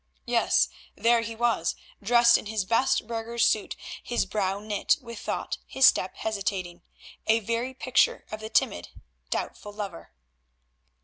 Yes, there he was dressed in his best burgher's suit, his brow knit with thought, his step hesitating; a very picture of the timid, doubtful lover.